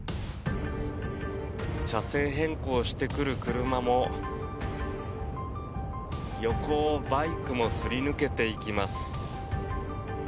車線変更してくる車も横をバイクもすり抜けていきます。